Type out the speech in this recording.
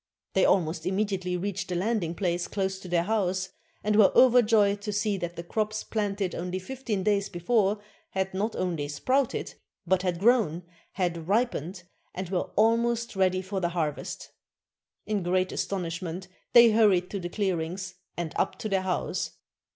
They almost immediately reached the landing place close to their house, and were overjoyed to see that the crops planted only fifteen days before had not only sprouted, but had grown, had ripened, and were almost ready for the harvest. In great astonishment they hurried through the clearings, and up to their house.